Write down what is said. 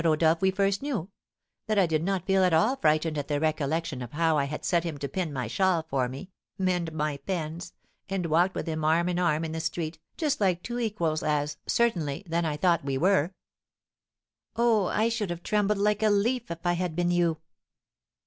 Rodolph we first knew that I did not feel at all frightened at the recollection of how I had set him to pin my shawl for me, mend my pens, and walked with him arm in arm in the street, just like two equals, as, certainly, then I thought we were." "Oh, I should have trembled like a leaf if I had been you!"